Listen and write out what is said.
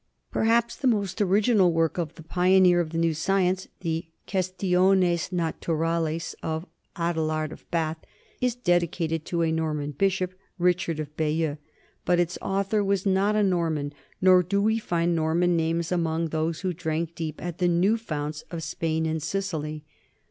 Perhaps the most original work of the pioneer of the new science, the Questiones naturales of Adelard of Bath, is dedicated to a Norman bishop, Richard of Bayeux, but its author was not a Norman, nor do we find Norman names among those who drank deep at the new founts of Spain and Sicily.